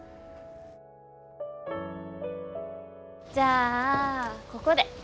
じゃあここで。